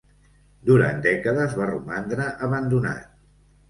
Durant dècades va romandre abandonat.